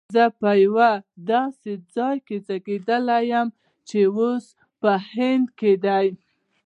زه په یو داسي ځای کي زیږېدلی یم چي اوس په هند کي دی